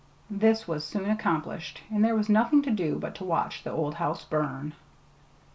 This was soon accomplished, and there was nothing to do but to watch the old house burn.